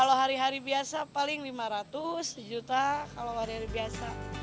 kalau hari hari biasa paling lima ratus sejuta kalau hari hari biasa